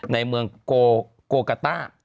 ในเมืองโกกาต้า